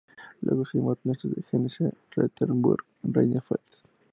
Luego se llamó Ernesto de Hesse-Rotenburg-Rheinfels.